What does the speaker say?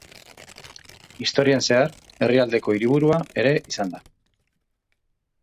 Historian zehar, herrialdeko hiriburua ere izan da.